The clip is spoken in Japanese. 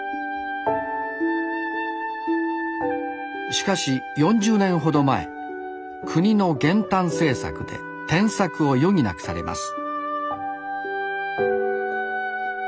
しかし４０年ほど前国の減反政策で転作を余儀なくされます